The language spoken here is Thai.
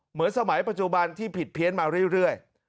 เหมือนสมัยปัจจุบันที่ผิดเพี้ยนมาเรื่อย